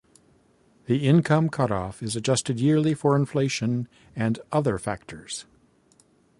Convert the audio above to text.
The income cutoff is adjusted yearly for inflation and other factors.